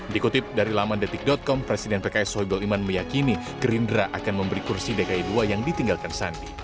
dikutip dari laman detik com presiden pks sohibul iman meyakini gerindra akan memberi kursi dki dua yang ditinggalkan sandi